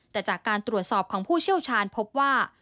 แต่จากการตรวจสอบของผู้เชี่ยวชาญพบว่า